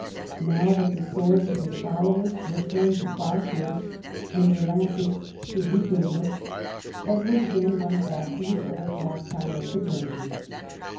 Now that the swords of his followers were turned to ploughshares and their lances to reaping hooks, Edward again went back to his old pastime of the tournament.